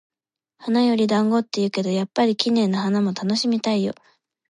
「花より団子」って言うけど、やっぱり綺麗な花も楽しみたいよ。